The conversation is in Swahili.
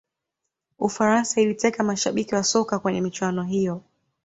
ufaransa iliteka mashabiki wa soka kwenye michuano hiyo